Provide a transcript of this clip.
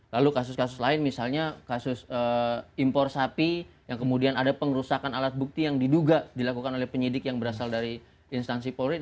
lalu kasus kasus lain misalnya kasus impor sapi yang kemudian ada pengerusakan alat bukti yang diduga dilakukan oleh penyidik yang berasal dari instansi polri